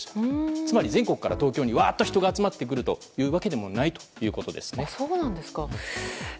つまり全国から東京にわっと人が集まってくるわけではないということですね。